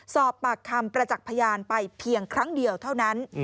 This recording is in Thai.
สอบปากคำประจักษ์พยานไปเพียงครั้งเดียวเท่านั้น